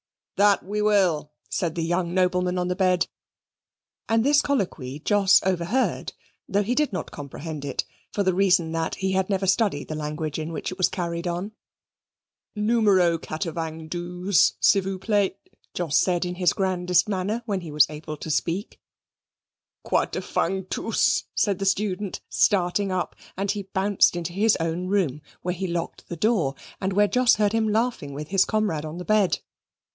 "That we will," said the young nobleman on the bed; and this colloquy Jos overheard, though he did not comprehend it, for the reason that he had never studied the language in which it was carried on. "Newmero kattervang dooze, si vous plait," Jos said in his grandest manner, when he was able to speak. "Quater fang tooce!" said the student, starting up, and he bounced into his own room, where he locked the door, and where Jos heard him laughing with his comrade on the bed.